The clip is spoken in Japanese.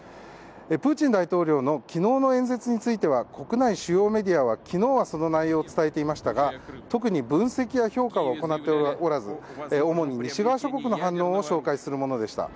プーチン大統領の昨日の演説については国内主要メディアは昨日はその内容を伝えていましたが特に分析や評価は行っておらず主に西側諸国の反応を紹介するものでした。